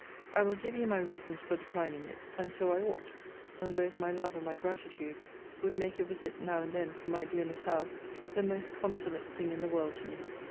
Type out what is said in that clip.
I will give you my reasons for declining it; and so I ought, when both my love and my gratitude would make a visit now and then from my dear Miss Howe the most consolate thing in the world to me.